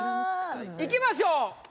いきましょう。